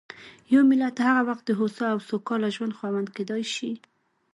یو ملت هغه وخت د هوسا او سوکاله ژوند خاوند کېدای شي.